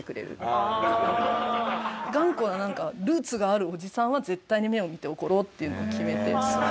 なんか頑固ななんかルーツがあるおじさんは絶対に目を見て怒ろうっていうふうに決めて。